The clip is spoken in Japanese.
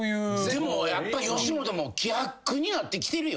でもやっぱ吉本も希薄になってきてるよ。